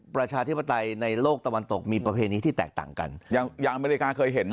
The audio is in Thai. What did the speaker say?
ประชาธิปไตยในโลกตะวันตกมีประเพณีที่แตกต่างกันอย่างอย่างอเมริกาเคยเห็นไหม